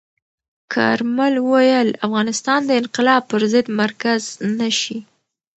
کارمل ویلي، افغانستان د انقلاب پر ضد مرکز نه شي.